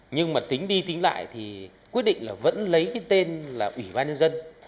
nhưng mà tính đi tính lại thì quyết định là vẫn lấy cái tên là ủy ban nhân dân